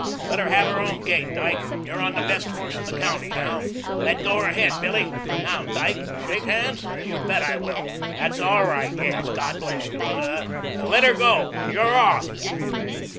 Let her have her own gait, Dyke. You're on the best horse in the county now. Let go her head, Billy. Now, Dyke, shake hands? You bet I will. That's all right. Yes, God bless you. Let her go. You're OFF."